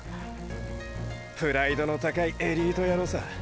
プライドの高いエリート野郎さ。